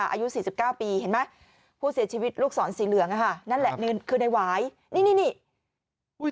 อายุ๔๙ปีเห็นไหมผู้เสียชีวิตลูกศรสีเหลืองอะค่ะนั่นแหละคือในหวายนี่นี่